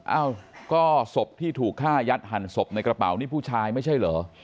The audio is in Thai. เอ้าก็ศพที่ถูกฆ่ายัดหั่นศพในกระเป๋านี่ผู้ชายไม่ใช่เหรอ